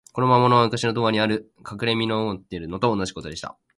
この魔物は、むかしの童話にある、かくれみのを持っているのと同じことでした。